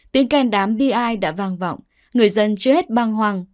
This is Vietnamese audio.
tin khen đám bi đã vang vọng người dân chưa hết băng hoang